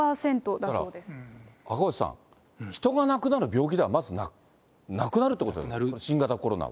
だから赤星さん、人が亡くなる病気ではまずなくなるってことですか、新型コロナは。